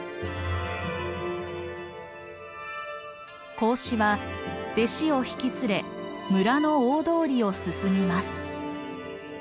孔子は弟子を引き連れ村の大通りを進みます。